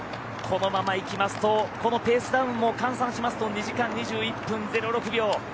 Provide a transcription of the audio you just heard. このままいきますとこのペースダウンも換算しますと２時間２１分０６秒。